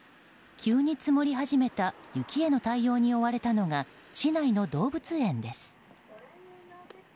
急に積もり始めた雪への対応に追われたのが市内の動物園です。